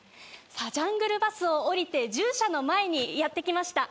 ジャングルバスを降りて獣舎の前にやってきました。